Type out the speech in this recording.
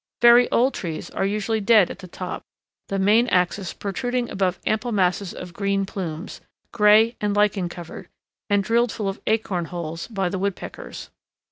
Very old trees are usually dead at the top, the main axis protruding above ample masses of green plumes, gray and lichen covered, and drilled full of acorn holes by the woodpeckers.